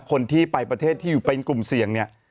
คนที่ไปประเทศที่อยู่เป็นกลุ่มเสี่ยงเนี่ย